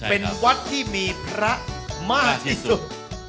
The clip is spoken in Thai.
เป็นวัดที่มีพระมากที่สุด